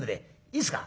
いいですか？